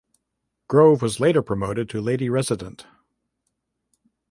Grove was later promoted to Lady Resident.